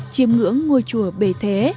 chiêm ngưỡng ngôi chùa bề thế